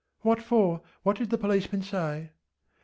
ŌĆÖ ŌĆśWhat for? What did the policeman say?